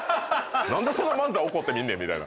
何でそんな漫才怒って見んねんみたいな。